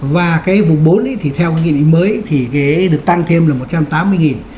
và cái vùng bốn thì theo nghị định mới thì được tăng thêm là một trăm tám mươi đồng